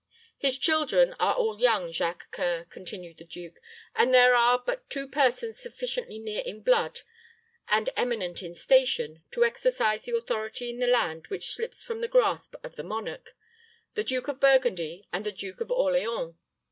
"His children are all young, Jacques C[oe]ur," continued the duke; "and there are but two persons sufficiently near in blood, and eminent in station, to exercise the authority in the land which slips from the grasp of the monarch the Duke of Burgundy and the Duke of Orleans.